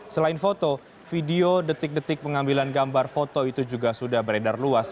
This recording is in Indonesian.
selain foto video detik detik pengambilan gambar foto itu juga sudah beredar luas